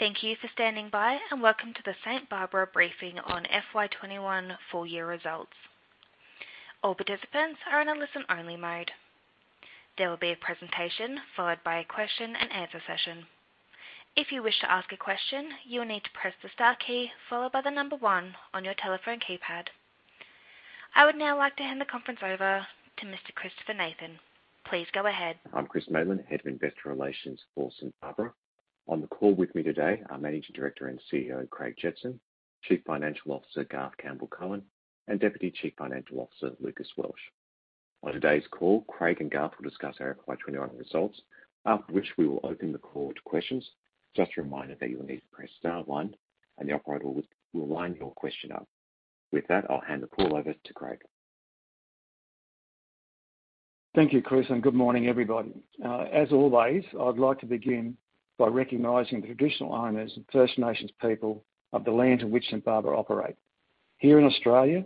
Thank you for standing by. Welcome to the St Barbara briefing on FY 2021 full year results. All participants are in a listen-only mode. There will be a presentation followed by a question-and-answer session. If you wish to ask a question, you will need to press the star key followed by one on your telephone keypad. I would now like to hand the conference over to Mr. Chris Maitland. Please go ahead. I'm Chris Maitland, Head of Investor Relations for St Barbara. On the call with me today are Managing Director and CEO, Craig Jetson, Chief Financial Officer, Garth Campbell-Cowan, and Deputy Chief Financial Officer, Lucas Welsh. On today's call, Craig and Garth will discuss our FY 2021 results, after which we will open the call to questions. Just a reminder that you will need to press star one, and the operator will line your question up. With that, I'll hand the call over to Craig. Thank you, Chris. Good morning, everybody. As always, I'd like to begin by recognizing the traditional owners and First Nations people of the lands in which St Barbara operate. Here in Australia,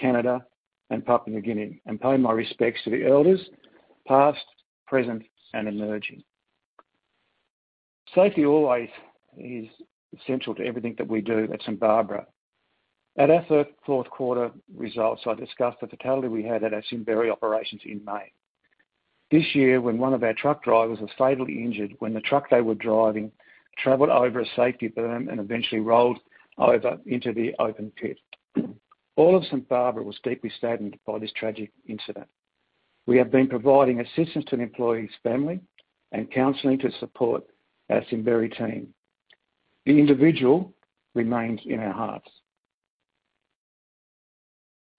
Canada, and Papua New Guinea, pay my respects to the elders, past, present, and emerging. Safety always is central to everything that we do at St Barbara. At our fourth quarter results, I discussed the fatality we had at our Simberi operations in May. This year when one of our truck drivers was fatally injured when the truck they were driving traveled over a safety berm and eventually rolled over into the open pit. All of St Barbara was deeply saddened by this tragic incident. We have been providing assistance to the employee's family and counseling to support our Simberi team. The individual remains in our hearts.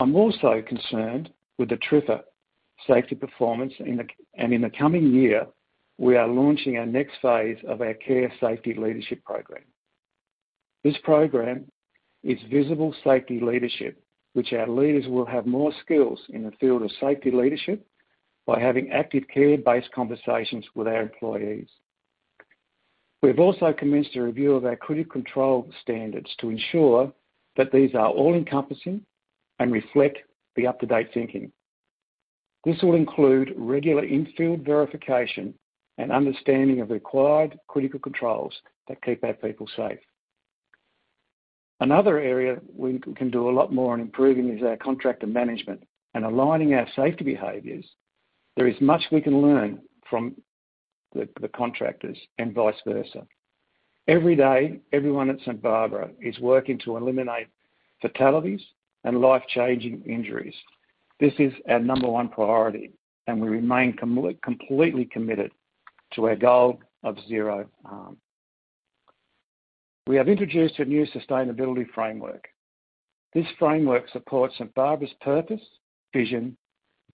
I'm also concerned with the TRIFR safety performance. In the coming year, we are launching our next phase of our care safety leadership program. This program is visible safety leadership, which our leaders will have more skills in the field of safety leadership by having active care-based conversations with our employees. We have also commenced a review of our critical control standards to ensure that these are all-encompassing and reflect the up-to-date thinking. This will include regular in-field verification and understanding of required critical controls that keep our people safe. Another area we can do a lot more on improving is our contractor management and aligning our safety behaviors. There is much we can learn from the contractors and vice versa. Every day, everyone at St Barbara is working to eliminate fatalities and life-changing injuries. This is our number one priority, and we remain completely committed to our goal of zero harm. We have introduced a new sustainability framework. This framework supports St Barbara's purpose, vision,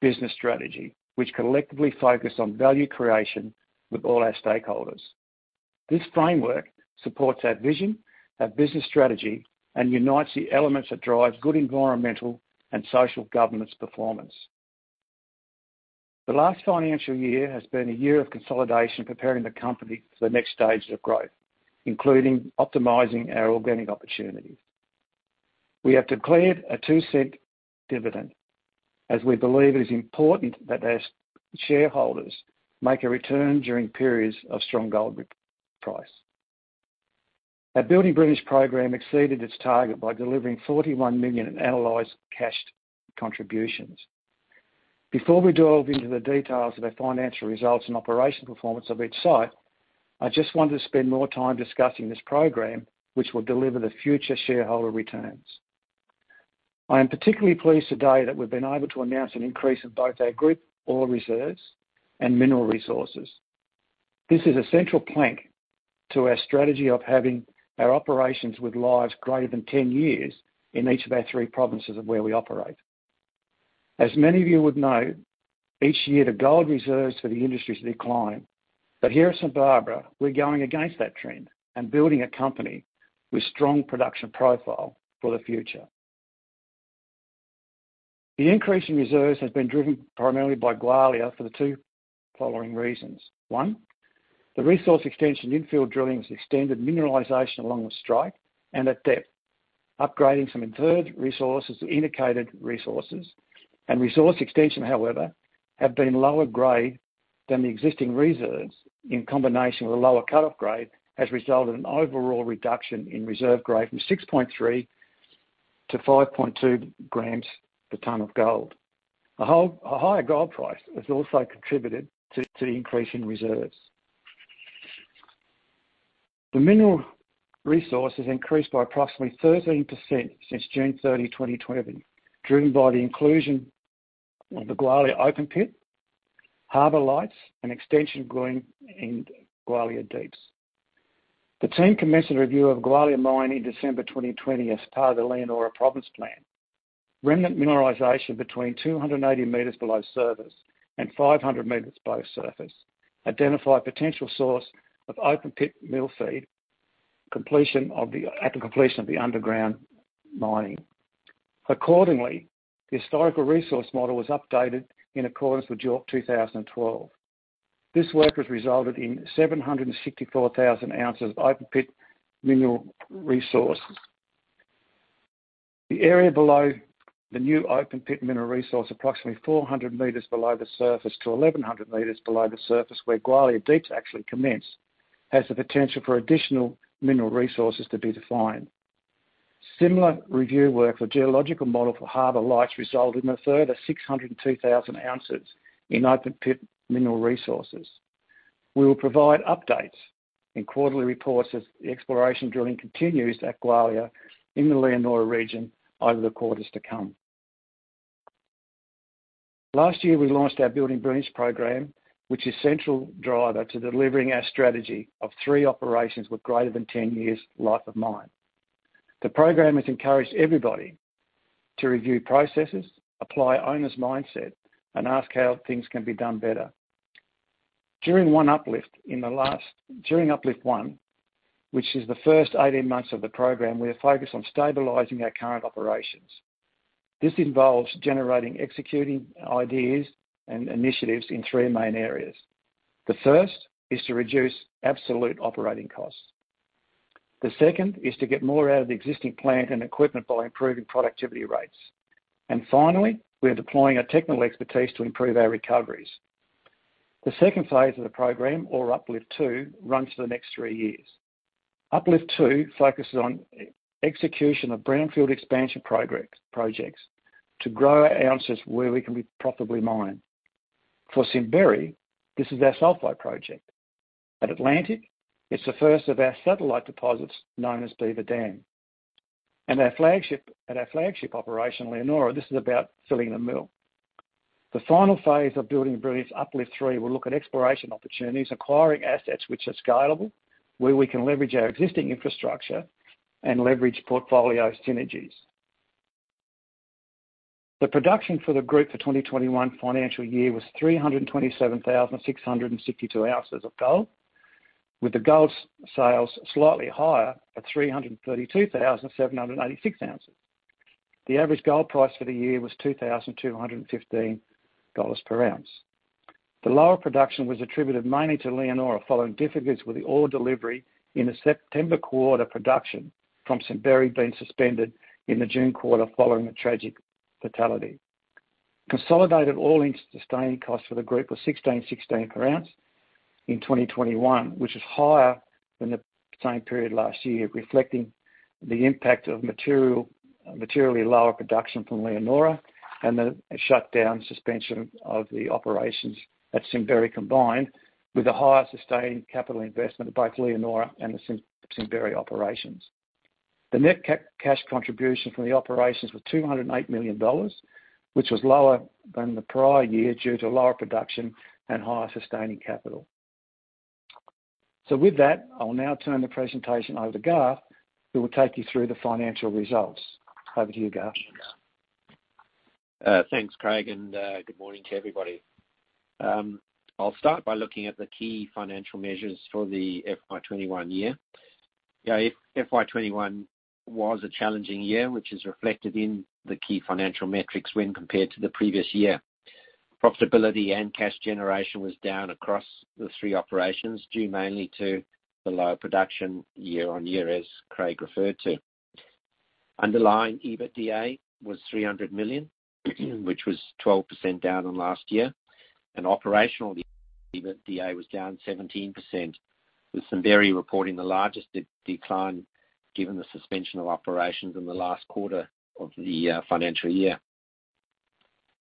business strategy, which collectively focus on value creation with all our stakeholders. This framework supports our vision, our business strategy, and unites the elements that drive good environmental and social governance performance. The last financial year has been a year of consolidation, preparing the company for the next stage of growth, including optimizing our organic opportunities. We have declared a 0.02 dividend, as we believe it is important that our shareholders make a return during periods of strong gold price. Our Building Brilliance program exceeded its target by delivering 41 million in annualized cash contributions. Before we delve into the details of our financial results and operation performance of each site, I just wanted to spend more time discussing this program, which will deliver the future shareholder returns. I am particularly pleased today that we've been able to announce an increase in both our group ore reserves and mineral resources. This is a central plank to our strategy of having our operations with lives greater than 10 years in each of our three provinces of where we operate. As many of you would know, each year the gold reserves for the industries decline. Here at St Barbara, we're going against that trend and building a company with strong production profile for the future. The increase in reserves has been driven primarily by Gwalia for the two following reasons. One, the resource extension infill drilling has extended mineralization along with strike and at depth, upgrading some inferred resources to indicated resources. Resource extension, however, have been lower grade than the existing reserves in combination with a lower cut-off grade has resulted in overall reduction in reserve grade from 6.3 g to 5.2 g per tonne of gold. A higher gold price has also contributed to the increase in reserves. The mineral resource has increased by approximately 13% since June 30, 2020, driven by the inclusion of the Gwalia open pit, Harbour Lights, and extension going in Gwalia Deeps. The team commenced a review of Gwalia Mine in December 2020 as part of the Leonora Province Plan. Remnant mineralization between 280 m below surface and 500 m below surface identified potential source of open pit mill feed at the completion of the underground mining. Accordingly, the historical resource model was updated in accordance with JORC 2012. This work has resulted in 764,000 oz of open pit mineral resources. The area below the new open pit mineral resource, approximately 400 m below the surface to 1,100 m below the surface where Gwalia Deep's actually commenced, has the potential for additional mineral resources to be defined. Similar review work for geological model for Harbour Lights resulted in a further 602,000 oz in open pit mineral resources. We will provide updates in quarterly reports as the exploration drilling continues at Gwalia in the Leonora region over the quarters to come. Last year, we launched our Building Brilliance program, which is a central driver to delivering our strategy of three operations with greater than 10 years life of mine. The program has encouraged everybody to review processes, apply owner's mindset, and ask how things can be done better. During Uplift One, which is the first 18 months of the program, we are focused on stabilizing our current operations. This involves generating executing ideas and initiatives in three main areas. The first is to reduce absolute operating costs. The second is to get more out of the existing plant and equipment by improving productivity rates. Finally, we are deploying our technical expertise to improve our recoveries. The second phase of the program, or Uplift Two, runs for the next three years. Uplift Two focuses on execution of brownfield expansion projects to grow our ounces where we can be profitably mined. For Simberi, this is our sulfide project. At Atlantic, it's the first of our satellite deposits known as Beaver Dam. At our flagship operation, Leonora, this is about filling the mill. The final phase of Building Brilliance, Uplift Three, will look at exploration opportunities, acquiring assets which are scalable, where we can leverage our existing infrastructure and leverage portfolio synergies. The production for the group for 2021 financial year was 327,662 oz of gold, with the gold sales slightly higher at 332,786 oz. The average gold price for the year was 2,215 dollars per ounce. The lower production was attributed mainly to Leonora following difficulties with the ore delivery in the September quarter, production from Simberi being suspended in the June quarter following a tragic fatality. Consolidated all-in sustaining costs for the group were 1,616 per ounce in 2021, which is higher than the same period last year, reflecting the impact of materially lower production from Leonora and the shutdown suspension of the operations at Simberi, combined with a higher sustained capital investment at both Leonora and the Simberi operations. The net cash contribution from the operations was 208 million dollars, which was lower than the prior year due to lower production and higher sustaining capital. With that, I'll now turn the presentation over to Garth, who will take you through the financial results. Over to you, Garth. Thanks, Craig, good morning to everybody. I'll start by looking at the key financial measures for the FY 2021 year. FY 2021 was a challenging year, which is reflected in the key financial metrics when compared to the previous year. Profitability and cash generation was down across the three operations, due mainly to the lower production year-on-year, as Craig referred to. Underlying EBITDA was 300 million, which was 12% down on last year. Operational EBITDA was down 17%, with Simberi reporting the largest decline given the suspension of operations in the last quarter of the financial year.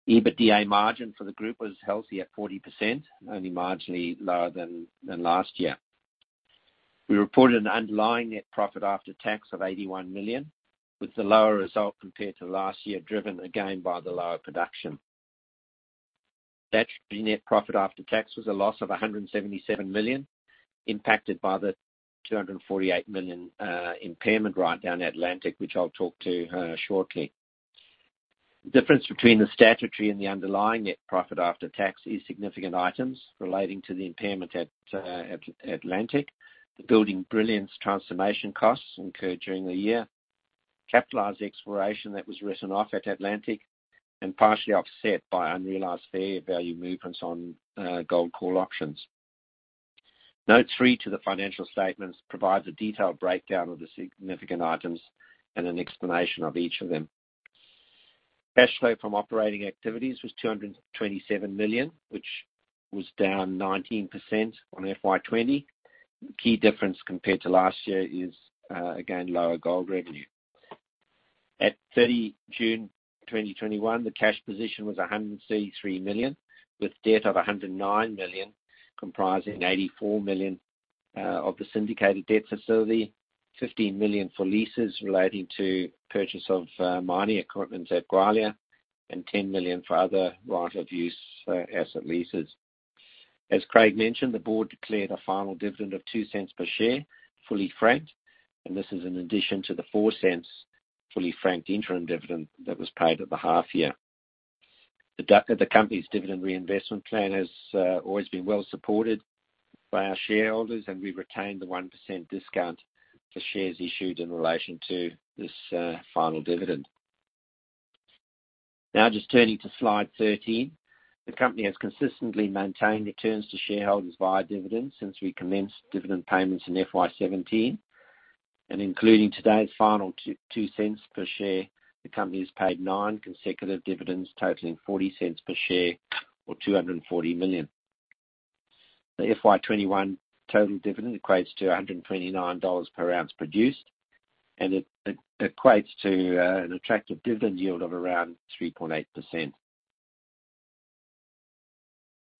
EBITDA margin for the group was healthy at 40%, only marginally lower than last year. We reported an underlying net profit after tax of 81 million, with the lower result compared to last year driven again by the lower production. Statutory net profit after tax was a loss of 177 million, impacted by the 248 million impairment write-down at Atlantic, which I'll talk to shortly. The difference between the statutory and the underlying net profit after tax is significant items relating to the impairment at Atlantic, the Building Brilliance transformation costs incurred during the year, capitalized exploration that was written off at Atlantic, and partially offset by unrealized fair value movements on gold call options. Note three to the financial statements provides a detailed breakdown of the significant items and an explanation of each of them. Cash flow from operating activities was 227 million, which was down 19% on FY 2020. The key difference compared to last year is, again, lower gold revenue. At June 30, 2021, the cash position was 163 million, with debt of 109 million, comprising 84 million of the syndicated debt facility, 15 million for leases relating to purchase of mining equipment at Gwalia, and 10 million for other right-of-use asset leases. As Craig mentioned, the board declared a final dividend of 0.02 per share, fully franked, and this is in addition to the 0.04 fully franked interim dividend that was paid at the half year. The company's dividend reinvestment plan has always been well supported by our shareholders, and we retained the 1% discount for shares issued in relation to this final dividend. Just turning to slide 13. The company has consistently maintained returns to shareholders via dividends since we commenced dividend payments in FY 2017. Including today's final 0.02 per share, the company has paid nine consecutive dividends totaling 0.40 per share or 240 million. The FY 2021 total dividend equates to 129 dollars per ounce produced, and it equates to an attractive dividend yield of around 3.8%.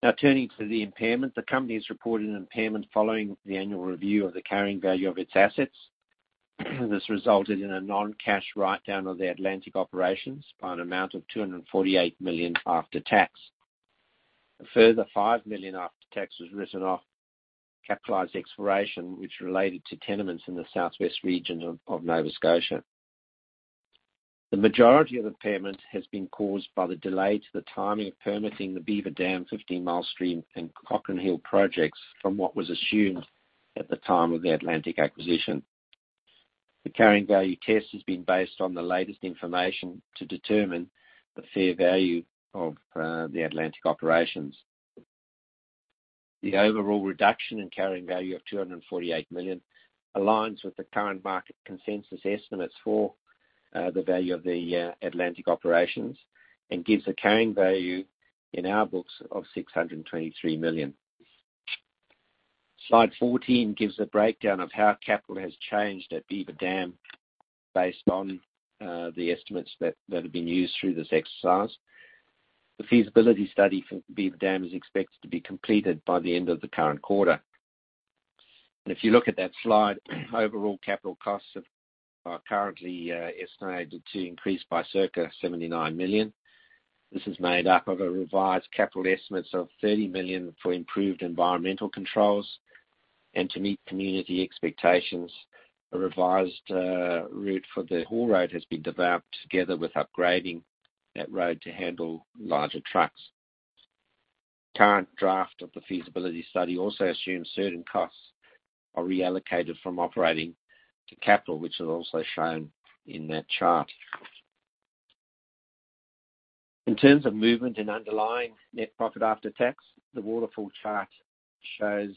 Now turning to the impairment. The company has reported an impairment following the annual review of the carrying value of its assets. This resulted in a non-cash write-down of the Atlantic operations by an amount of 248 million after tax. A further 5 million after tax was written off capitalized exploration, which related to tenements in the southwest region of Nova Scotia. The majority of impairment has been caused by the delay to the timing of permitting the Beaver Dam, Fifteen Mile Stream, and Cochrane Hill projects from what was assumed at the time of the Atlantic acquisition. The carrying value test has been based on the latest information to determine the fair value of the Atlantic Operations. The overall reduction in carrying value of 248 million aligns with the current market consensus estimates for the value of the Atlantic Operations and gives a carrying value in our books of 623 million. Slide 14 gives a breakdown of how capital has changed at Beaver Dam based on the estimates that have been used through this exercise. If you look at that slide, overall capital costs are currently estimated to increase by circa 79 million. This is made up of revised capital estimates of 30 million for improved environmental controls and to meet community expectations. A revised route for the haul road has been developed together with upgrading that road to handle larger trucks. Current draft of the feasibility study also assumes certain costs are reallocated from operating to capital, which is also shown in that chart. In terms of movement in underlying net profit after tax, the waterfall chart shows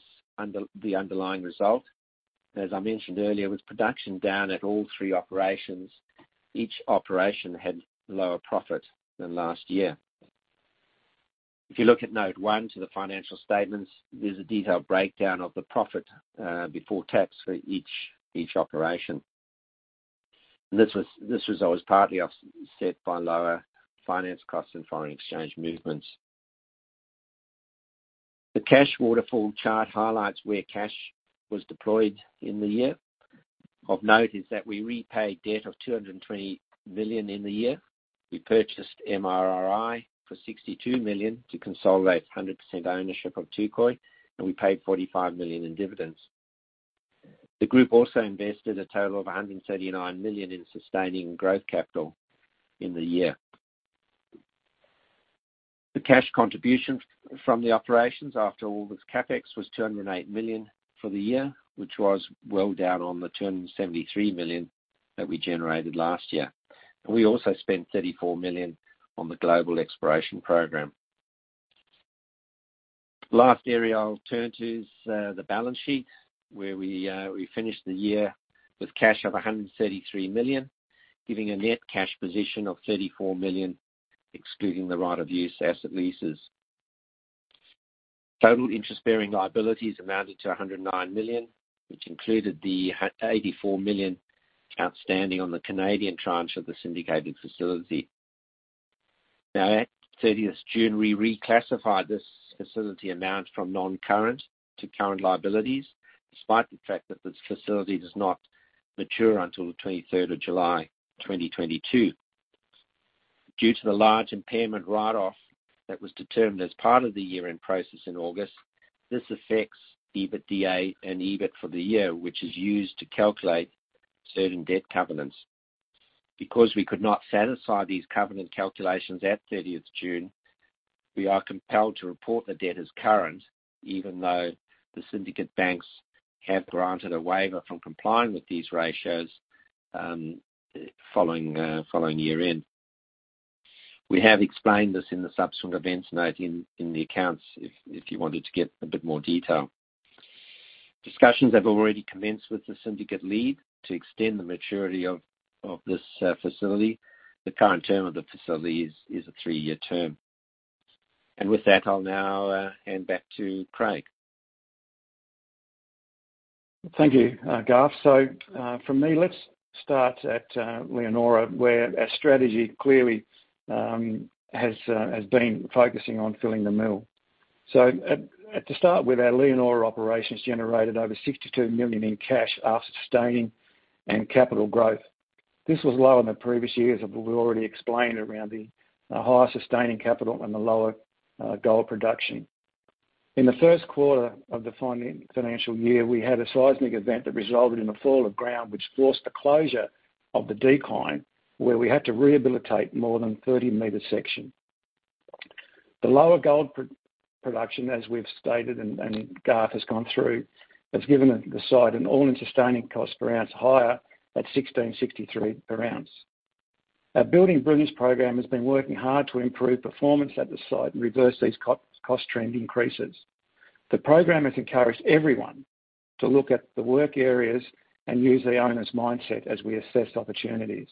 the underlying result. As I mentioned earlier, with production down at all three operations, each operation had lower profit than last year. If you look at note one to the financial statements, there is a detailed breakdown of the profit before tax for each operation. This was always partly offset by lower finance costs and foreign exchange movements. The cash waterfall chart highlights where cash was deployed in the year. Of note is that we repaid debt of 220 million in the year. We purchased MRRI for 62 million to consolidate 100% ownership of Touquoy, and we paid 45 million in dividends. The group also invested a total of 139 million in sustaining growth capital in the year. The cash contribution from the operations after all this CapEx was 208 million for the year, which was well down on the 273 million that we generated last year. We also spent 34 million on the global exploration program. Last area I'll turn to is the balance sheet, where we finished the year with cash of 133 million, giving a net cash position of 34 million, excluding the right of use asset leases. Total interest-bearing liabilities amounted to 109 million, which included the 84 million outstanding on the Canadian tranche of the syndicated facility. Now at June 30th, we reclassified this facility amount from non-current to current liabilities, despite the fact that this facility does not mature until the July 23rd, 2022. Due to the large impairment write-off that was determined as part of the year-end process in August, this affects EBITDA and EBIT for the year, which is used to calculate certain debt covenants. Because we could not satisfy these covenant calculations at June 30th, we are compelled to report the debt as current, even though the syndicate banks have granted a waiver from complying with these ratios following year-end. We have explained this in the subsequent events note in the accounts if you wanted to get a bit more detail. Discussions have already commenced with the syndicate lead to extend the maturity of this facility. The current term of the facility is a three-year term. With that, I'll now hand back to Craig. Thank you, Garth. For me, let's start at Leonora, where our strategy clearly has been focusing on filling the mill. To start with, our Leonora operations generated over 62 million in cash after sustaining and capital growth. This was lower than previous years, we already explained around the higher sustaining capital and the lower gold production. In the first quarter of the financial year, we had a seismic event that resulted in a fall of ground which forced the closure of the decline, where we had to rehabilitate more than 30 m section. The lower gold production, as we've stated and Garth has gone through, has given the site an all-in sustaining cost per ounce higher at 1,663 per ounce. Our Building Brilliance program has been working hard to improve performance at the site and reverse these cost trend increases. The program has encouraged everyone to look at the work areas and use the owner's mindset as we assess opportunities.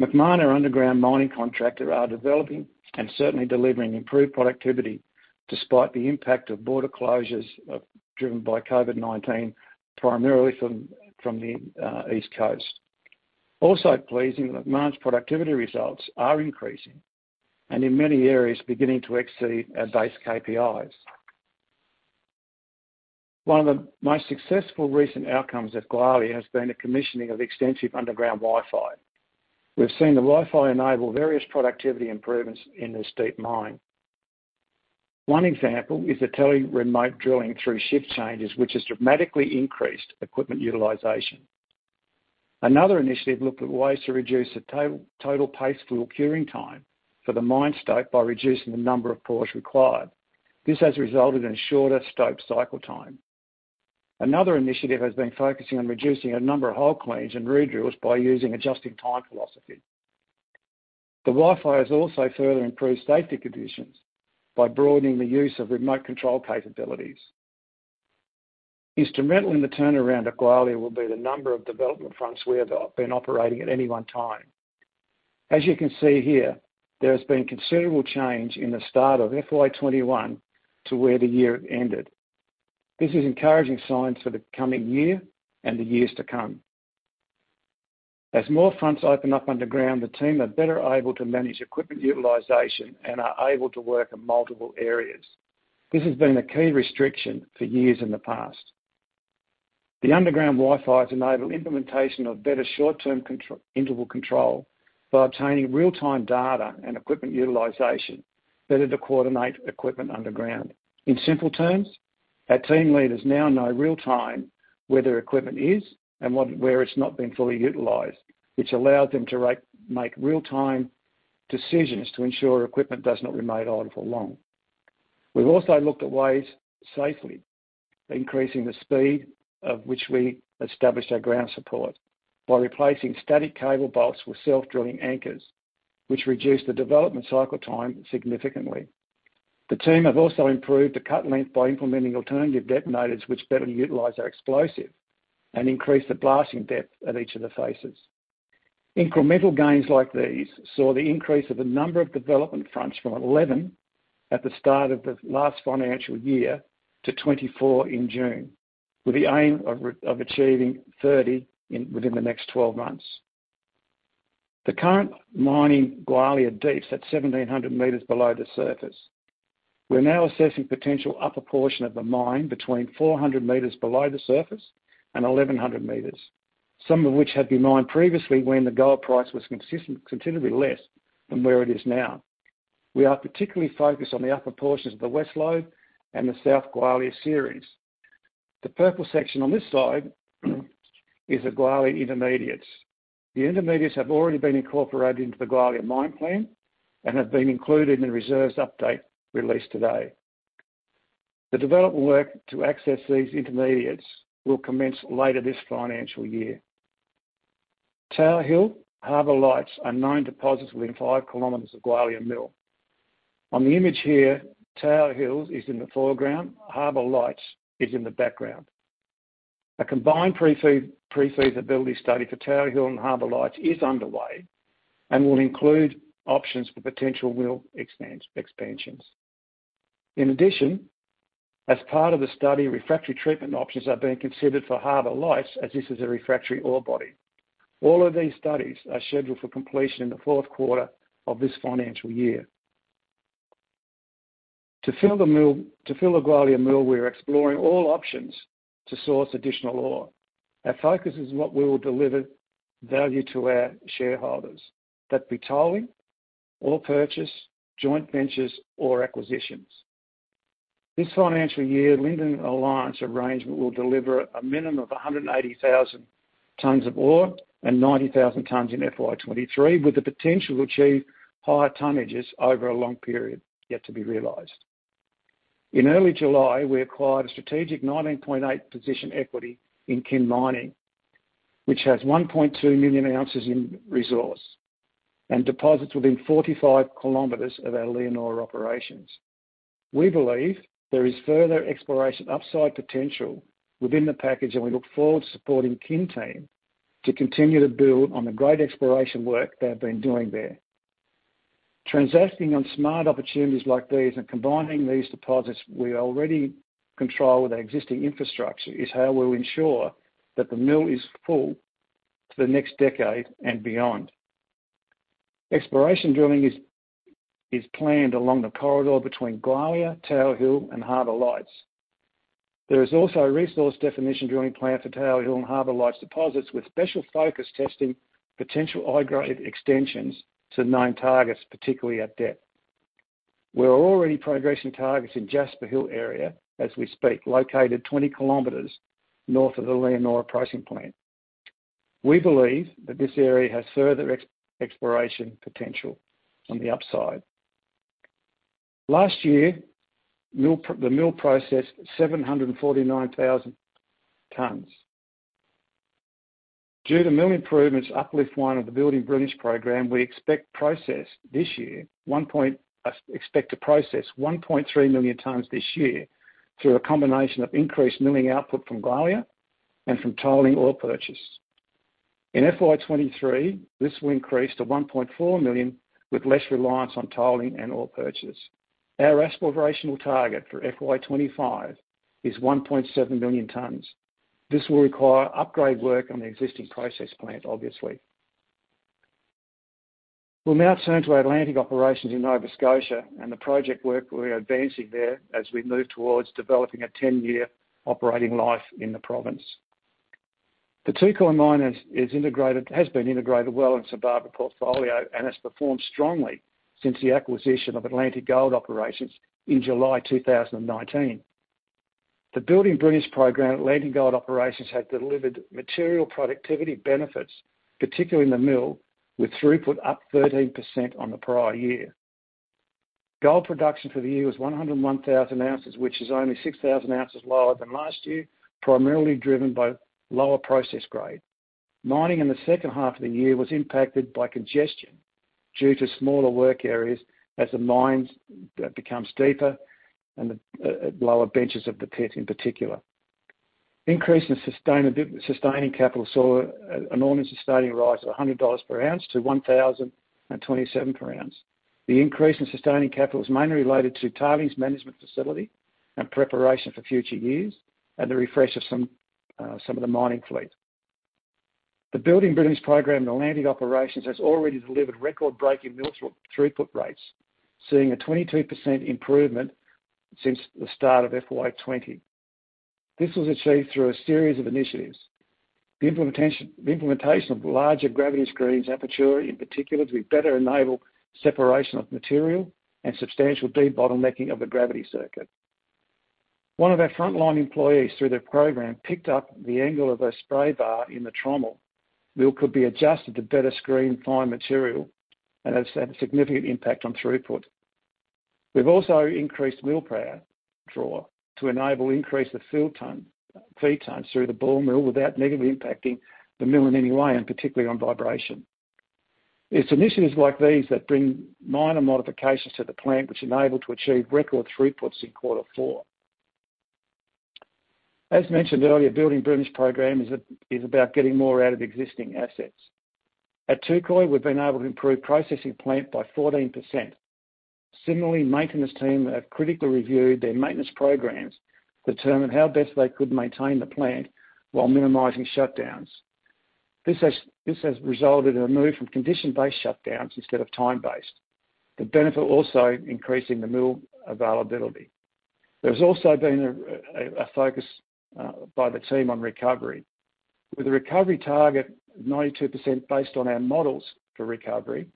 Macmahon, our underground mining contractor, are developing and certainly delivering improved productivity, despite the impact of border closures driven by COVID-19, primarily from the East Coast. Pleasing, Macmahon's productivity results are increasing, and in many areas, beginning to exceed our base KPIs. One of the most successful recent outcomes at Gwalia has been the commissioning of extensive underground Wi-Fi. We've seen the Wi-Fi enable various productivity improvements in this deep mine. One example is the tele-remote drilling through shift changes, which has dramatically increased equipment utilization. Another initiative looked at ways to reduce the total paste fill curing time for the mine stope by reducing the number of pours required. This has resulted in shorter stope cycle time. Another initiative has been focusing on reducing a number of hole cleans and re-drills by using a just in time philosophy. The Wi-Fi has also further improved safety conditions by broadening the use of remote control capabilities. Instrumental in the turnaround at Gwalia will be the number of development fronts we have been operating at any one time. As you can see here, there has been considerable change in the start of FY 2021 to where the year ended. This is encouraging signs for the coming year and the years to come. As more fronts open up underground, the team are better able to manage equipment utilization and are able to work in multiple areas. This has been a key restriction for years in the past. The underground Wi-Fi has enabled implementation of better short-term interval control by obtaining real-time data and equipment utilization, better to coordinate equipment underground. In simple terms, our team leaders now know real-time where their equipment is and where it's not been fully utilized, which allows them to make real-time decisions to ensure equipment does not remain idle for long. We've also looked at ways, safely, increasing the speed of which we establish our ground support by replacing static cable bolts with self-drilling anchors, which reduce the development cycle time significantly. The team have also improved the cut length by implementing alternative detonators which better utilize our explosive and increase the blasting depth at each of the faces. Incremental gains like these saw the increase of the number of development fronts from 11 at the start of the last financial year to 24 in June, with the aim of achieving 30 within the next 12 months. The current mining Gwalia Deep is at 1,700 m below the surface. We're now assessing potential upper portion of the mine between 400 m below the surface and 1,100 m, some of which had been mined previously when the gold price was considerably less than where it is now. We are particularly focused on the upper portions of the West Lode and the South Gwalia Series. The purple section on this side is the Gwalia intermediates. The intermediates have already been incorporated into the Gwalia mine plan and have been included in the reserves update released today. The development work to access these intermediates will commence later this financial year. Tower Hill, Harbour Lights are known deposits within 5 km of Gwalia Mill. On the image here, Tower Hill is in the foreground, Harbour Lights is in the background. A combined pre-feasibility study for Tower Hill and Harbour Lights is underway and will include options for potential mill expansions. In addition, as part of the study, refractory treatment options are being considered for Harbour Lights as this is a refractory ore body. All of these studies are scheduled for completion in the fourth quarter of this financial year. To fill the Gwalia Mill, we are exploring all options to source additional ore. Our focus is what will deliver value to our shareholders, that be tolling or purchase, joint ventures, or acquisitions. This financial year, Linden Alliance arrangement will deliver a minimum of 180,000 tonnes of ore and 90,000 tonnes in FY 2023, with the potential to achieve higher tonnages over a long period yet to be realized. In early July, we acquired a strategic 19.8 position equity in Kin Mining, which has 1.2 million ounces in resource and deposits within 45 km of our Leonora operations. We believe there is further exploration upside potential within the package, and we look forward to supporting Kin team to continue to build on the great exploration work they've been doing there. Transacting on smart opportunities like these and combining these deposits we already control with our existing infrastructure is how we'll ensure that the mill is full for the next decade and beyond. Exploration drilling is planned along the corridor between Gwalia, Tower Hill, and Harbour Lights. There is also resource definition drilling planned for Tower Hill and Harbour Lights deposits, with special focus testing potential high-grade extensions to known targets, particularly at depth. We're already progressing targets in Jasper Hill area as we speak, located 20 km north of the Leonora processing plant. We believe that this area has further exploration potential on the upside. Last year, the mill processed 749,000 tonnes. Due to mill improvements, Uplift One of the Building Brilliance program, we expect to process 1.3 million tonnes this year through a combination of increased milling output from Gwalia and from tolling or ore purchase. In FY 2023, this will increase to 1.4 million tonnes, with less reliance on tolling and ore purchase. Our aspirational target for FY 2025 is 1.7 million tonnes. This will require upgrade work on the existing process plant, obviously. We will now turn to Atlantic operations in Nova Scotia and the project work we are advancing there as we move towards developing a 10-year operating life in the province. The Touquoy mine has been integrated well into St Barbara portfolio and has performed strongly since the acquisition of Atlantic Gold Operations in July 2019. The Building Brilliance program at Atlantic Gold Operations has delivered material productivity benefits, particularly in the mill, with throughput up 13% on the prior year. Gold production for the year was 101,000 oz, which is only 6,000 oz lower than last year, primarily driven by lower process grade. Mining in the second half of the year was impacted by congestion due to smaller work areas as the mines becomes deeper and lower benches of the pit, in particular. Increase in sustaining capital saw an all-in sustaining rise of 100 dollars per ounce to 1,027 per ounce. The increase in sustaining capital is mainly related to tailings management facility and preparation for future years, and the refresh of some of the mining fleet. The Building Brilliance program in Atlantic operations has already delivered record-breaking mill throughput rates, seeing a 22% improvement since the start of FY 2020. This was achieved through a series of initiatives. The implementation of larger gravity screens aperture, in particular, to better enable separation of material and substantial debottlenecking of the gravity circuit. One of our frontline employees, through the program, picked up the angle of a spray bar in the trommel mill could be adjusted to better screen fine material, and has had a significant impact on throughput. We've also increased mill power draw to enable increase of feed tonnes through the ball mill without negatively impacting the mill in any way, and particularly on vibration. It's initiatives like these that bring minor modifications to the plant, which enable to achieve record throughputs in quarter four. As mentioned earlier, Building Brilliance program is about getting more out of existing assets. At Touquoy, we've been able to improve processing plant by 14%. Maintenance team have critically reviewed their maintenance programs to determine how best they could maintain the plant while minimizing shutdowns. This has resulted in a move from condition-based shutdowns instead of time-based, the benefit also increasing the mill availability. There's also been a focus by the team on recovery. With the recovery target 92% based on our models for recovery,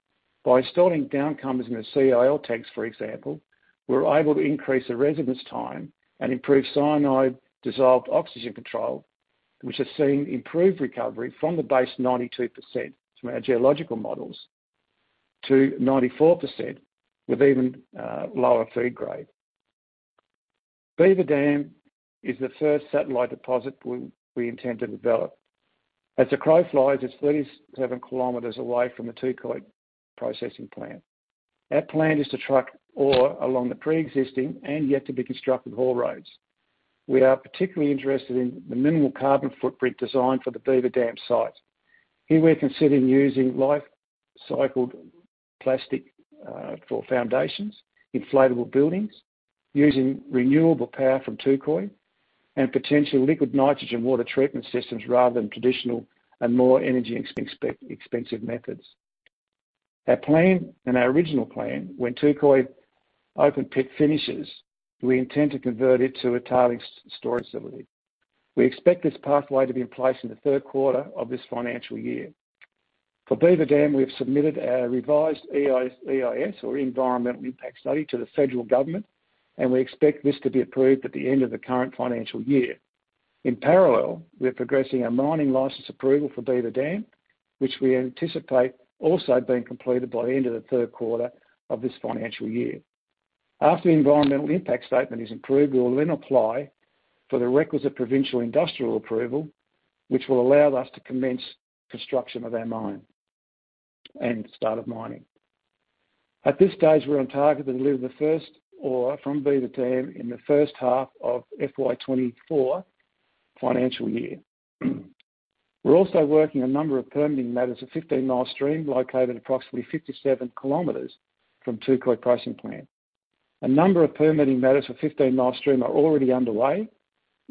by installing downcomers in the CIL tanks, for example, we're able to increase the residence time and improve cyanide dissolved oxygen control, which has seen improved recovery from the base 92% from our geological models to 94% with even lower feed grade. Beaver Dam is the first satellite deposit we intend to develop. As the crow flies, it's 37 km away from the Touquoy processing plant. Our plan is to truck ore along the preexisting and yet to be constructed haul roads. We are particularly interested in the minimal carbon footprint design for the Beaver Dam site. Here, we're considering using life cycled plastic for foundations, inflatable buildings, using renewable power from Touquoy, and potential liquid nitrogen water treatment systems rather than traditional and more energy expensive methods. Our plan and our original plan, when Touquoy open pit finishes, we intend to convert it to a tailings storage facility. We expect this pathway to be in place in the third quarter of this financial year. For Beaver Dam, we have submitted a revised EIS, or environmental impact study, to the federal government. We expect this to be approved at the end of the current financial year. In parallel, we're progressing a mining license approval for Beaver Dam, which we anticipate also being completed by the end of the third quarter of this financial year. After the environmental impact statement is approved, we will then apply for the requisite provincial industrial approval, which will allow us to commence construction of our mine and start of mining. At this stage, we're on target to deliver the first ore from Beaver Dam in the first half of FY 2024 financial year. We're also working a number of permitting matters at Fifteen Mile Stream, located approximately 57 km from Touquoy processing plant. A number of permitting matters for Fifteen Mile Stream are already underway,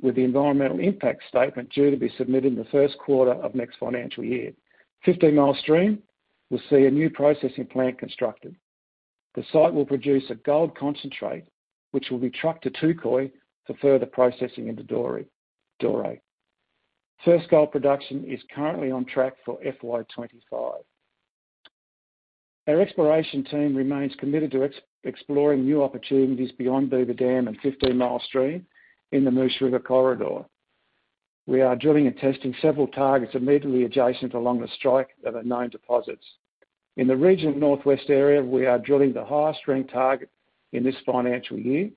with the environmental impact statement due to be submitted in the 1st quarter of next financial year. Fifteen Mile Stream will see a new processing plant constructed. The site will produce a gold concentrate, which will be trucked to Touquoy for further processing into doré. First gold production is currently on track for FY 2025. Our exploration team remains committed to exploring new opportunities beyond Beaver Dam and Fifteen Mile Stream in the Moose River corridor. We are drilling and testing several targets immediately adjacent along the strike of the known deposits. In the regional northwest area, we are drilling the highest-rank target in this financial year.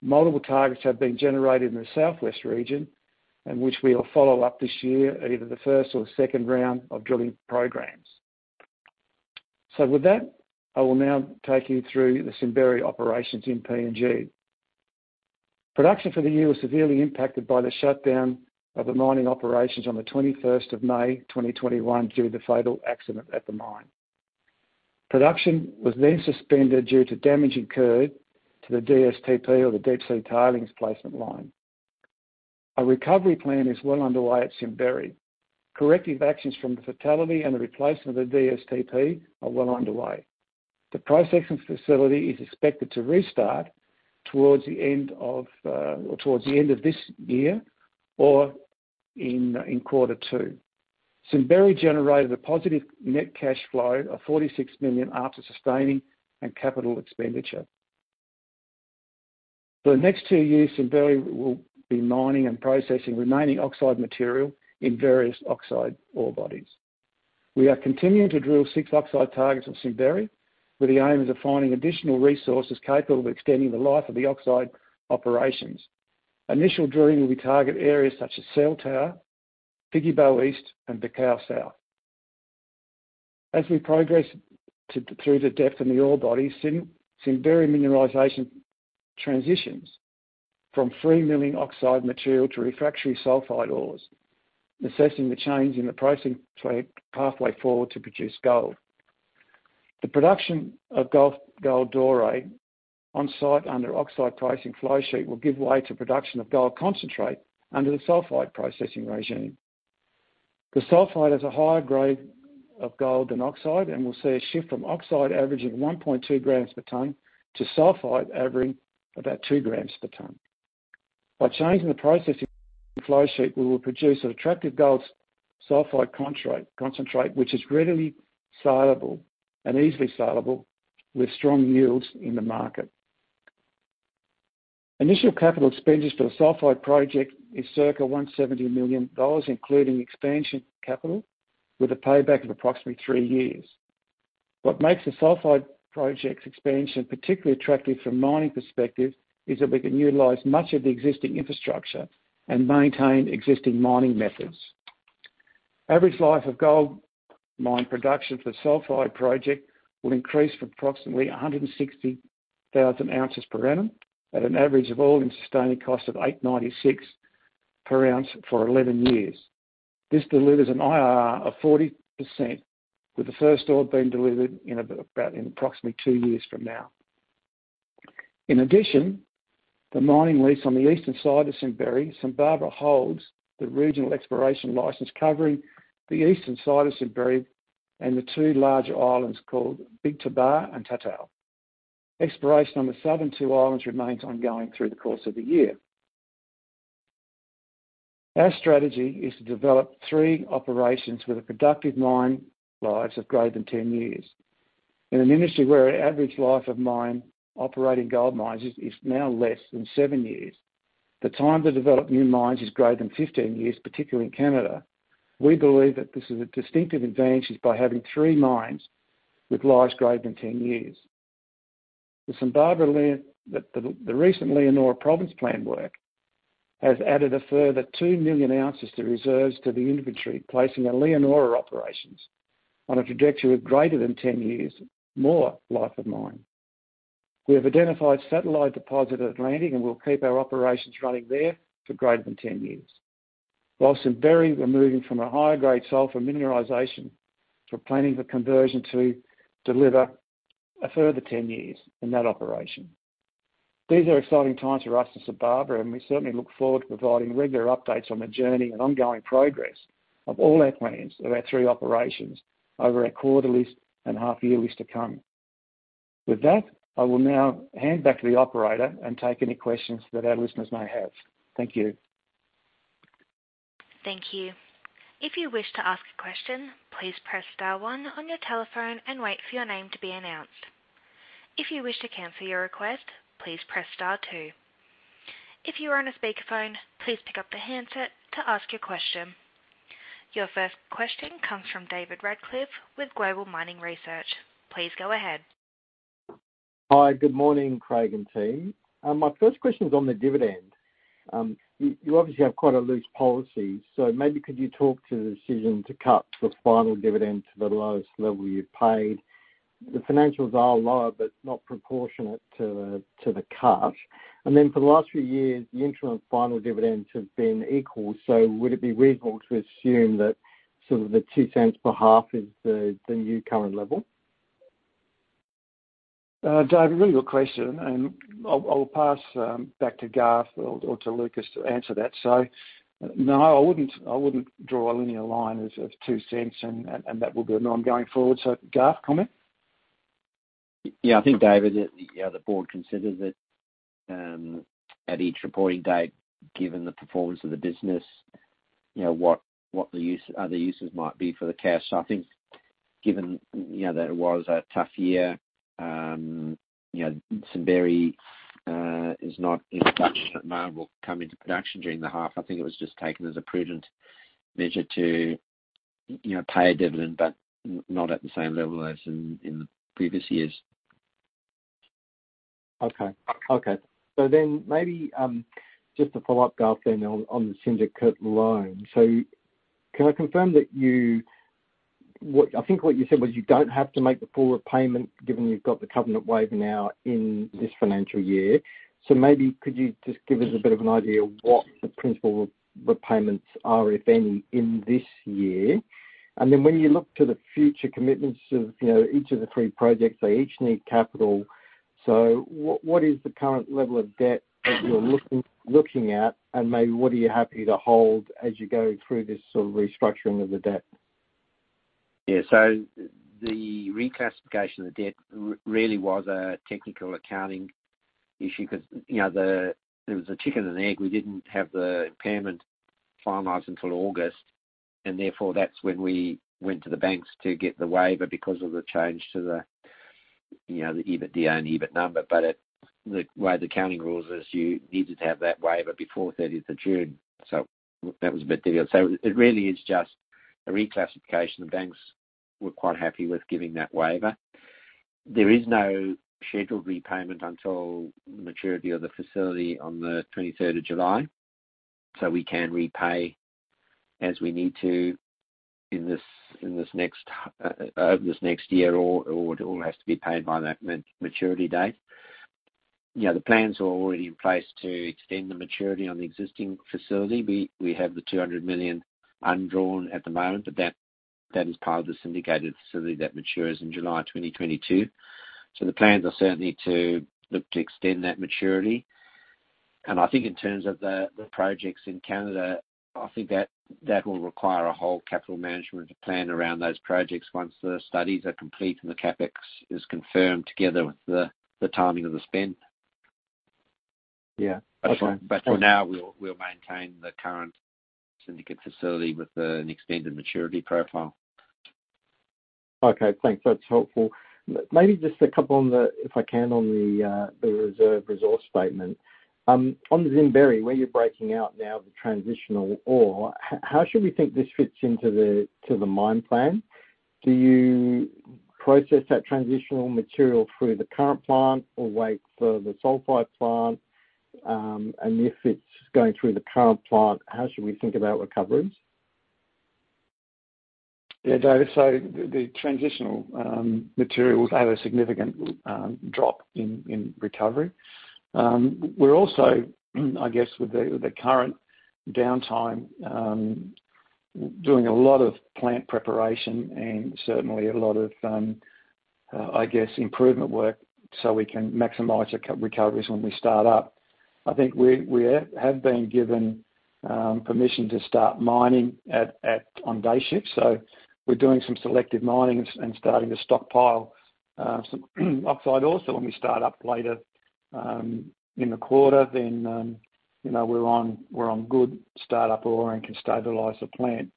Multiple targets have been generated in the southwest region, which we will follow up this year at either the first or second round of drilling programs. With that, I will now take you through the Simberi operations in PNG. Production for the year was severely impacted by the shutdown of the mining operations on the May 21st, 2021 due to the fatal accident at the mine. Production was suspended due to damage incurred to the DSTP, or the deep sea tailings placement line. A recovery plan is well underway at Simberi. Corrective actions from the fatality and the replacement of the DSTP are well underway. The processing facility is expected to restart towards the end of this year or in quarter two. Simberi generated a positive net cash flow of 46 million after sustaining and capital expenditure. For the next two years, Simberi will be mining and processing remaining oxide material in various oxide ore bodies. We are continuing to drill six oxide targets of Simberi with the aim of finding additional resources capable of extending the life of the oxide operations. Initial drilling will target areas such as Cell Tower, Pigibo East, and Bekou South. As we progress through the depth of the ore bodies, Simberi mineralization transitions from free milling oxide material to refractory sulfide ores, necessitating a change in the processing pathway forward to produce gold. The production of gold doré on-site under oxide processing flow sheet will give way to production of gold concentrate under the sulfide processing regime. The sulfide has a higher grade of gold than oxide, we'll see a shift from oxide averaging 1.2 g per tonne to sulfide averaging about 2 g per tonne. By changing the processing flow sheet, we will produce an attractive gold sulfide concentrate which is readily salable and easily salable with strong yields in the market. Initial capital expenditures for the sulfide project is circa 170 million dollars, including expansion capital, with a payback of approximately three years. What makes the sulfide project expansion particularly attractive from a mining perspective is that we can utilize much of the existing infrastructure and maintain existing mining methods. Average life of gold mine production for the sulfide project will increase from approximately 160,000 oz per annum at an average of all-in sustaining cost of 896 per ounce for 11 years. This delivers an IRR of 40%, with the first ore being delivered in approximately two years from now. In addition, the mining lease on the eastern side of Simberi, St Barbara holds the regional exploration license covering the eastern side of Simberi and the two larger islands called Big Tabar and Tatau. Exploration on the southern two islands remains ongoing through the course of the year. Our strategy is to develop three operations with productive mine lives of greater than 10 years. In an industry where an average life of operating gold mines is now less than seven years, the time to develop new mines is greater than 15 years, particularly in Canada. We believe that this is a distinctive advantage is by having three mines with lives greater than 10 years. The recent Leonora Province Plan work has added a further 2 million ounces to reserves to the inventory, placing our Leonora operations on a trajectory of greater than 10 years more life of mine. We have identified satellite deposit at Atlantic, and we'll keep our operations running there for greater than 10 years. While Simberi, we're moving from a higher-grade sulfide mineralization. We're planning for conversion to deliver a further 10 years in that operation. These are exciting times for us at St Barbara, and we certainly look forward to providing regular updates on the journey and ongoing progress of all our plans of our three operations over our quarterly and half yearly to come. With that, I will now hand back to the operator and take any questions that our listeners may have. Thank you. Thank you. If you wish to ask a question, please press star one on your telephone and wait for your name to be announced. If you wish to cancel your request, please press star two. If you are on a speakerphone, please pick up the handset to ask your question. Your first question comes from David Radclyffe with Global Mining Research. Please go ahead. Hi, good morning, Craig and team. My first question is on the dividend. You obviously have quite a loose policy, so maybe could you talk to the decision to cut the final dividend to the lowest level you've paid? The financials are lower, but not proportionate to the cut. For the last few years, the interim final dividends have been equal, so would it be reasonable to assume that sort of the 0.02 per half is the new current level? David, really good question, I'll pass back to Garth or to Lucas to answer that. No, I wouldn't draw a linear line of 0.02 and that will be ongoing forward. Garth, comment? I think, David, the board considers it at each reporting date, given the performance of the business, what the other uses might be for the cash. I think, given that it was a tough year, Simberi is not in production at the moment, will come into production during the half. I think it was just taken as a prudent measure to pay a dividend, but not at the same level as in the previous years. Okay. Maybe just to follow up, Garth, on the syndicate loan. Can I confirm that you I think what you said was you don't have to make the full repayment, given you've got the covenant waiver now in this financial year? Maybe could you just give us a bit of an idea of what the principal repayments are, if any, in this year? When you look to the future commitments of each of the three projects, they each need capital. What is the current level of debt that you're looking at, and maybe what are you happy to hold as you go through this sort of restructuring of the debt? The reclassification of the debt really was a technical accounting issue because there was a chicken and an egg. We didn't have the impairment finalized until August, that's when we went to the banks to get the waiver because of the change to the EBITDA and EBIT number. The way the accounting rule is, you needed to have that waiver before June 30th. That was a bit difficult. It really is just a reclassification. The banks were quite happy with giving that waiver. There is no scheduled repayment until maturity of the facility on the July 23rd. We can repay as we need to over this next year, or it all has to be paid by that maturity date. The plans are already in place to extend the maturity on the existing facility. We have the 200 million undrawn at the moment, that is part of the syndicated facility that matures in July 2022. The plans are certainly to look to extend that maturity. I think in terms of the projects in Canada, I think that will require a whole capital management plan around those projects once the studies are complete and the CapEx is confirmed together with the timing of the spend. Yeah. Okay. For now, we'll maintain the current syndicate facility with an extended maturity profile. Okay, thanks. That's helpful. Maybe just a couple, if I can, on the reserve resource statement. On the Simberi, where you're breaking out now the transitional ore, how should we think this fits into the mine plan? Do you process that transitional material through the current plant or wait for the sulfide plant? If it's going through the current plant, how should we think about recoveries? Yeah, David, the transitional material will have a significant drop in recovery. We're also, I guess, with the current downtime, doing a lot of plant preparation and certainly a lot of, I guess, improvement work so we can maximize the recoveries when we start up. I think we have been given permission to start mining on day shifts, we're doing some selective mining and starting to stockpile some oxide ore. When we start up later in the quarter, we're on good startup ore and can stabilize the plant.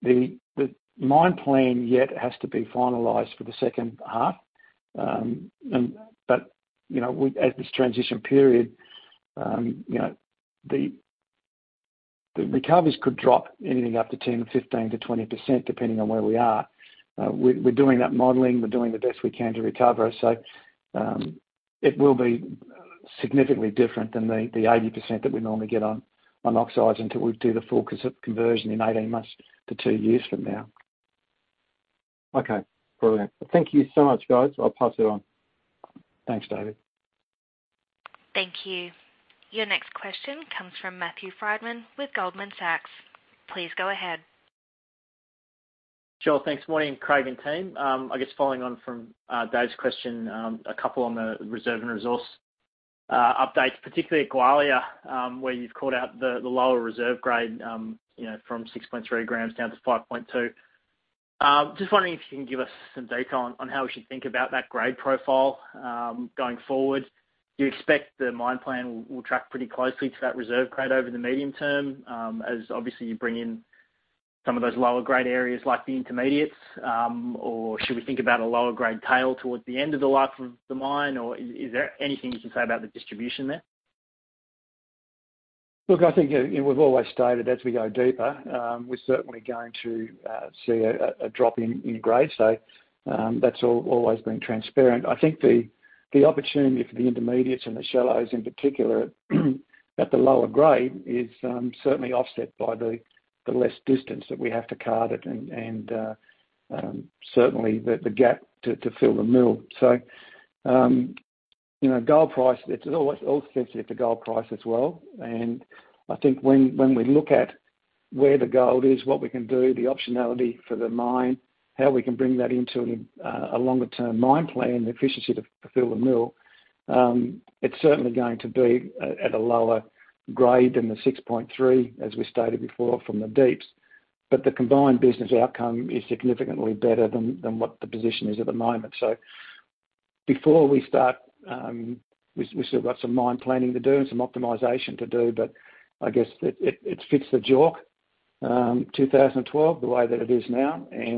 The mine plan yet has to be finalized for the second half. At this transition period, the recoveries could drop anything up to 10, 15%-20%, depending on where we are. We're doing that modeling. We're doing the best we can to recover. It will be significantly different than the 80% that we normally get on oxides until we do the full conversion in 18 months to two years from now. Okay, brilliant. Thank you so much, guys. I'll pass it on. Thanks, David. Thank you. Your next question comes from Matthew Frydman with Goldman Sachs. Please go ahead. Sure. Thanks. Morning, Craig and team. I guess following on from David's question, a couple on the reserve and resource updates, particularly at Gwalia, where you've called out the lower reserve grade from 6.3 g down to 5.2 g. Just wondering if you can give us some detail on how we should think about that grade profile going forward. Do you expect the mine plan will track pretty closely to that reserve grade over the medium term as obviously you bring in some of those lower grade areas like the intermediates? Should we think about a lower grade tail towards the end of the life of the mine? Is there anything you can say about the distribution there? Look, I think we've always stated as we go deeper, we're certainly going to see a drop in grade. That's always been transparent. I think the opportunity for the intermediates and the shallows in particular at the lower grade is certainly offset by the less distance that we have to cart it and certainly the gap to fill the mill. It's always sensitive to gold price as well, and I think when we look at where the gold is, what we can do, the optionality for the mine, how we can bring that into a longer-term mine plan, the efficiency to fill the mill. It's certainly going to be at a lower grade than the 6.3 g, as we stated before, from the Deeps. The combined business outcome is significantly better than what the position is at the moment. Before we start, we've still got some mine planning to do and some optimization to do, but I guess it fits the JORC 2012 the way that it is now. It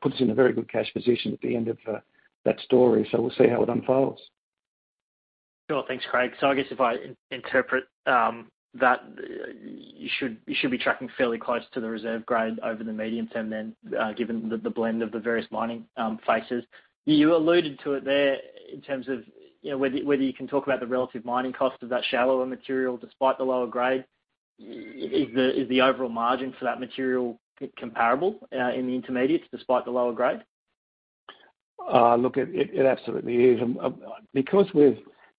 puts us in a very good cash position at the end of that story. We'll see how it unfolds. Sure. Thanks, Craig. I guess if I interpret that, you should be tracking fairly close to the reserve grade over the medium term then, given the blend of the various mining phases. You alluded to it there in terms of whether you can talk about the relative mining cost of that shallower material, despite the lower grade. Is the overall margin for that material comparable in the intermediates despite the lower grade?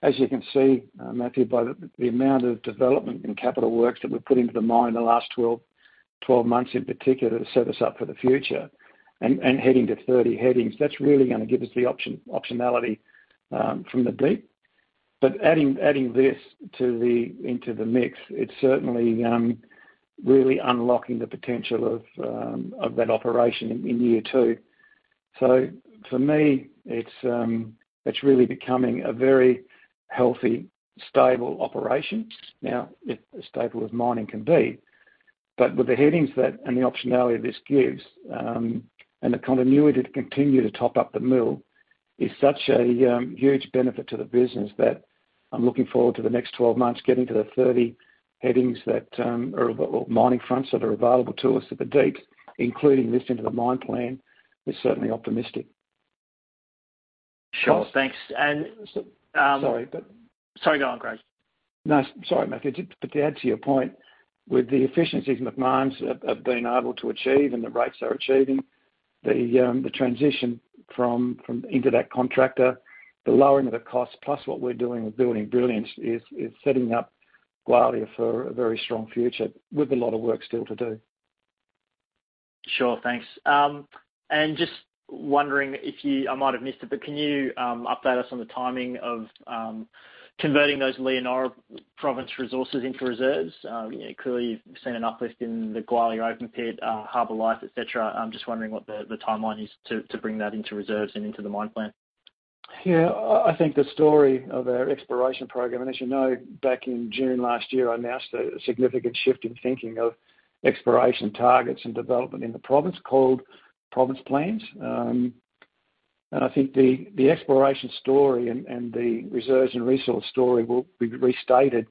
As you can see, Matthew, by the amount of development in capital works that we've put into the mine in the last 12 months in particular to set us up for the future and heading to 30 headings, that's really going to give us the optionality from the deep. Adding this into the mix, it's certainly really unlocking the potential of that operation in year two. For me, it's really becoming a very healthy, stable operation. Now, as stable as mining can be. With the headings and the optionality this gives, and the continuity to continue to top up the mill is such a huge benefit to the business that I'm looking forward to the next 12 months, getting to the 30 headings or mining fronts that are available to us at the Deeps, including this into the mine plan is certainly optimistic. Sure. Thanks. Sorry. Sorry, go on, Craig. No, sorry, Matthew. To add to your point, with the efficiencies that mines have been able to achieve and the rates they're achieving, the transition into that contractor, the lowering of the cost, plus what we're doing with Building Brilliance is setting up Gwalia for a very strong future with a lot of work still to do. Sure, thanks. I might have missed it, but can you update us on the timing of converting those Leonora province resources into reserves? Clearly, you've seen an uplift in the Gwalia open pit, Harbour Lights, et cetera. I'm just wondering what the timeline is to bring that into reserves and into the mine plan. Yeah. I think the story of our exploration program, as you know, back in June last year, I announced a significant shift in thinking of exploration targets and development in the province called Province Plans. I think the exploration story and the reserves and resource story will be restated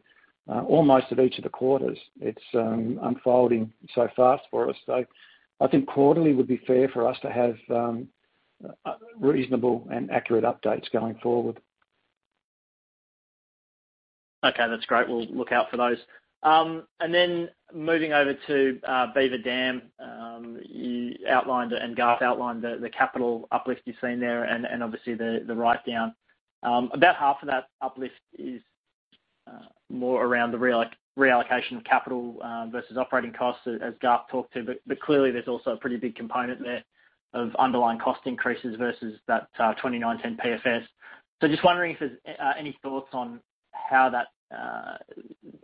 almost at each of the quarters. It's unfolding so fast for us. I think quarterly would be fair for us to have reasonable and accurate updates going forward. Okay, that's great. We'll look out for those. Moving over to Beaver Dam. You outlined it and Garth outlined the capital uplift you've seen there and obviously the write-down. About half of that uplift is more around the reallocation of capital versus operating costs, as Garth talked to. Clearly, there's also a pretty big component there of underlying cost increases versus that 2019 PFS. Just wondering if there's any thoughts on how that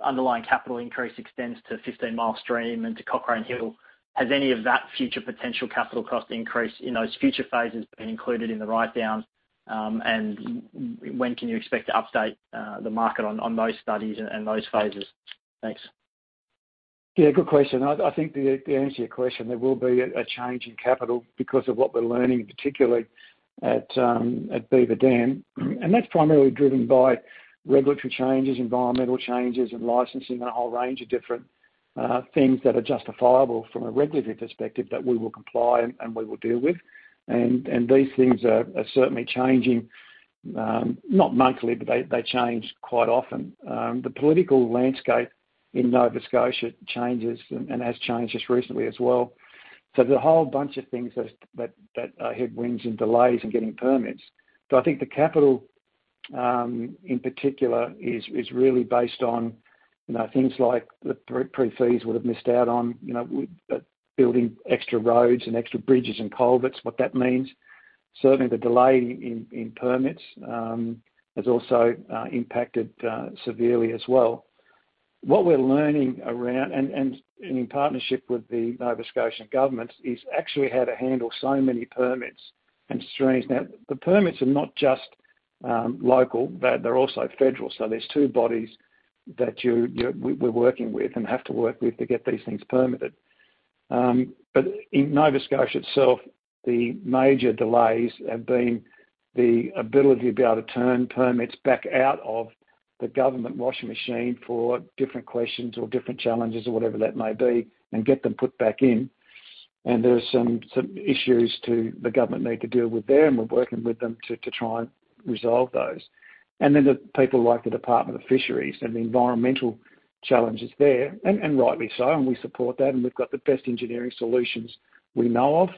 underlying capital increase extends to Fifteen Mile Stream and to Cochrane Hill. Has any of that future potential capital cost increase in those future phases been included in the write-down? When can you expect to update the market on those studies and those phases? Thanks. Yeah, good question. I think the answer to your question, there will be a change in CapEx because of what we're learning, particularly at Beaver Dam. That's primarily driven by regulatory changes, environmental changes, and licensing, and a whole range of different things that are justifiable from a regulatory perspective that we will comply and we will deal with. These things are certainly changing, not monthly, but they change quite often. The political landscape in Nova Scotia changes and has changed just recently as well. There's a whole bunch of things that are headwinds and delays in getting permits. I think the CapEx, in particular, is really based on things like the PFS would have missed out on, building extra roads and extra bridges and culverts, what that means. Certainly, the delay in permits has also impacted severely as well. What we're learning around, and in partnership with the Nova Scotia government, is actually how to handle so many permits and strains. The permits are not just local, they're also federal. There's two bodies that we're working with and have to work with to get these things permitted. In Nova Scotia itself, the major delays have been the ability to be able to turn permits back out of the government washing machine for different questions or different challenges or whatever that may be and get them put back in. There are some issues the government need to deal with there, and we're working with them to try and resolve those. The people like the Department of Fisheries and the environmental challenges there, and rightly so, and we support that, and we’ve got the best engineering solutions we know of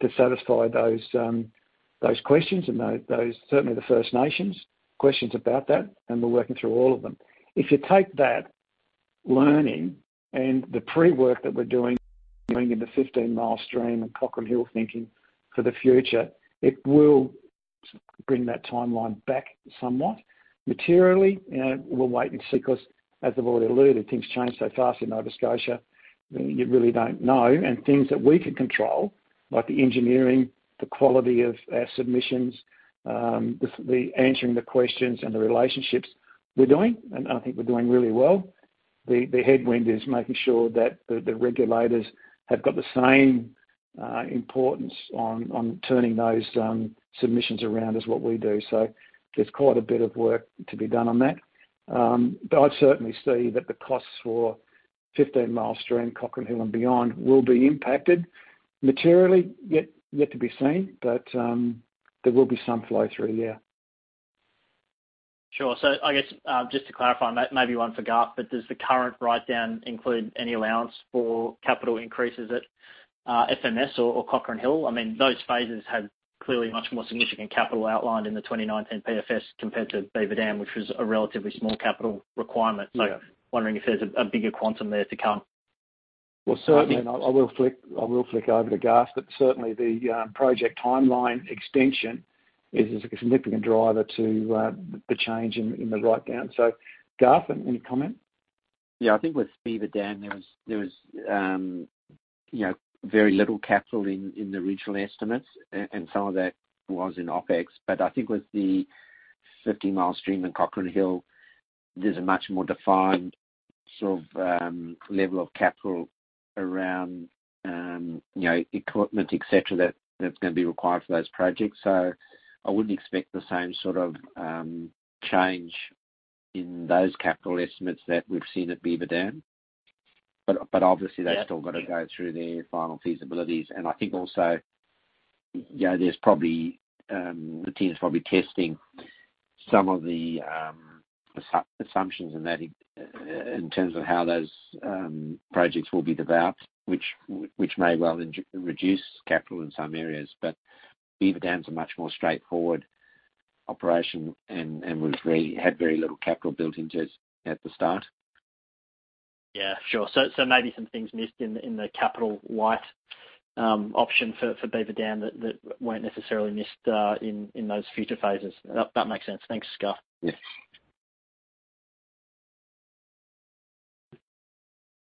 to satisfy those questions and certainly the First Nations questions about that, and we’re working through all of them. If you take that learning and the pre-work that we’re doing in the Fifteen Mile Stream and Cochrane Hill thinking for the future, it will bring that timeline back somewhat. Materially, we’ll wait and see, because as I’ve already alluded, things change so fast in Nova Scotia, you really don’t know. Things that we can control, like the engineering, the quality of our submissions, the answering the questions and the relationships we’re doing, and I think we’re doing really well. The headwind is making sure that the regulators have got the same importance on turning those submissions around as what we do. There's quite a bit of work to be done on that. I'd certainly see that the costs for Fifteen Mile Stream, Cochrane Hill and beyond will be impacted materially, yet to be seen. There will be some flow through. Sure. I guess, just to clarify, maybe one for Garth, but does the current write-down include any allowance for capital increases at FMS or Cochrane Hill? Those phases had clearly much more significant capital outlined in the 2019 PFS compared to Beaver Dam, which was a relatively small capital requirement. Wondering if there's a bigger quantum there to come. Well, certainly, and I will flick over to Garth, but certainly the project timeline extension is a significant driver to the change in the write-down. Garth, any comment? Yeah, I think with Beaver Dam, there was very little capital in original estimates, and some of that was in OpEx. I think with the Fifteen Mile Stream and Cochrane Hill, there's a much more defined sort of level of capital around equipment, et cetera, that's going to be required for those projects. I wouldn't expect the same sort of change in those capital estimates that we've seen at Beaver Dam. Obviously they've still got to go through their final feasibilities. I think also, the team's probably testing some of the assumptions in that in terms of how those projects will be developed, which may well reduce capital in some areas. Beaver Dam's a much more straightforward operation and had very little capital built into it at the start. Yeah, sure. Maybe some things missed in the capital write-down for Beaver Dam that weren't necessarily missed in those future phases. That makes sense. Thanks, Garth. Yeah.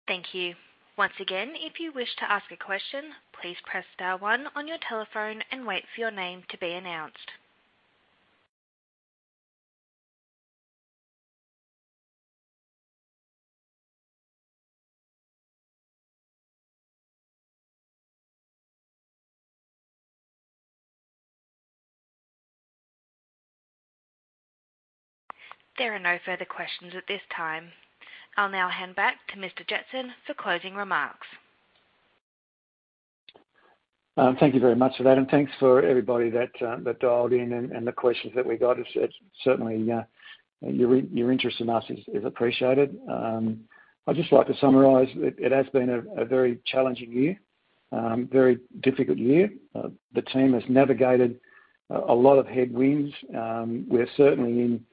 Thank you. Once again, if you wish to ask a question, please press star one on your telephone and wait for your name to be announced. There are no further questions at this time. I'll now hand back to Mr. Jetson for closing remarks. Thank you very much for that, and thanks for everybody that dialed in and the questions that we got. Certainly, your interest in us is appreciated. I'd just like to summarize, it has been a very challenging year, very difficult year. The team has navigated a lot of headwinds. We're certainly in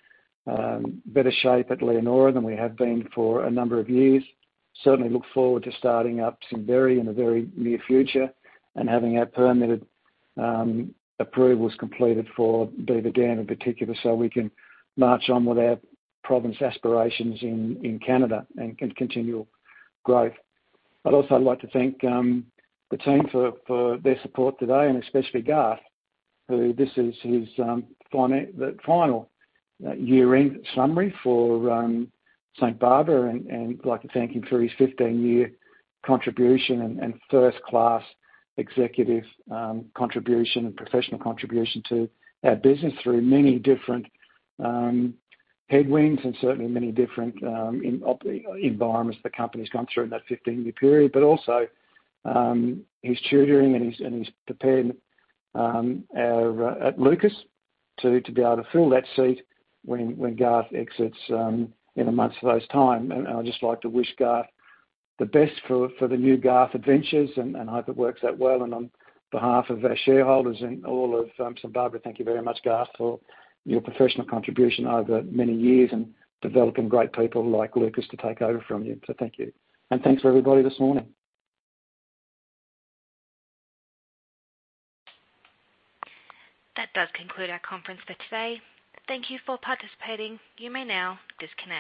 better shape at Leonora than we have been for a number of years. Certainly look forward to starting up Simberi in the very near future and having our permitted approvals completed for Beaver Dam in particular so we can march on with our province aspirations in Canada and continual growth. I'd also like to thank the team for their support today, and especially Garth, who this is his final year-end summary for St Barbara, and like to thank him for his 15-year contribution and first-class executive contribution and professional contribution to our business through many different headwinds and certainly many different environments the company's gone through in that 15-year period. Also his tutoring and he's prepared Lucas to be able to fill that seat when Garth exits in a month's time. I'd just like to wish Garth the best for the new Garth adventures and hope it works out well. On behalf of our shareholders and all of St Barbara, thank you very much, Garth, for your professional contribution over many years and developing great people like Lucas to take over from you. Thank you. Thanks, everybody, this morning. That does conclude our conference for today. Thank you for participating. You may now disconnect.